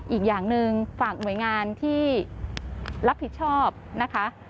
อีกอย่างหนึ่งฝากหน่วยงานที่รับผิดชอบนะคะ